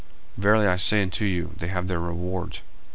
Verily I say unto you, They have their reward.